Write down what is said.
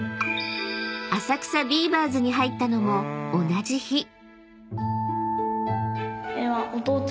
［浅草ビーバーズに入ったのも同じ日］